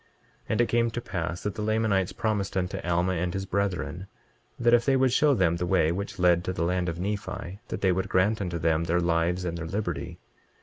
23:36 And it came to pass that the Lamanites promised unto Alma and his brethren, that if they would show them the way which led to the land of Nephi that they would grant unto them their lives and their liberty.